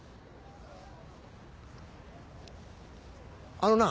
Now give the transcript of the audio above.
あのな。